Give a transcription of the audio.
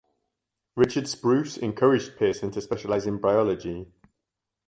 Richard Spruce encouraged Pearson to specialise in bryology.